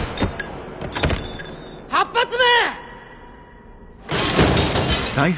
８発目！